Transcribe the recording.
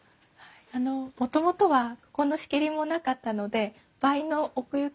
あのもともとはここの仕切りもなかったので倍の奥行きがあったんです。